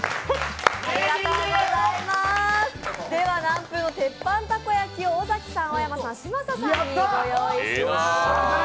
では喃風の鉄板たこ焼きを尾崎さん、青山さん、嶋佐さんにご用意しました。